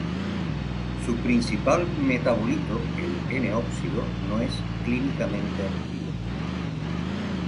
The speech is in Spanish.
Su principal metabolito, el N-óxido, no es clínicamente activo.